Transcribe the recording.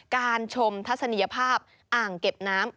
การชมทัศนียภาพอ่างเก็บน้ำ